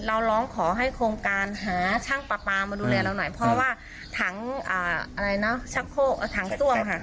ร้องขอให้โครงการหาช่างปลาปลามาดูแลเราหน่อยเพราะว่าถังชักโคกถังซ่วมค่ะ